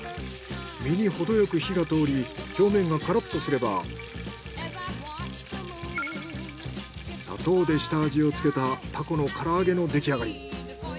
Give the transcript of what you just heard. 身にほどよく火が通り表面がカラッとすれば砂糖で下味をつけたタコの唐揚げの出来上がり。